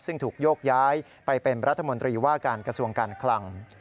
ซึ่งถูกโยกย้ายไปเป็นรัฐมนตรีว่าการกระทรวงการคลัง